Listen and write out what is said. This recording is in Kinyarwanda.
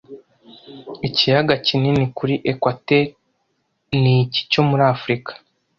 Ikiyaga kinini kuri ekwateri ni iki cyo muri Afurika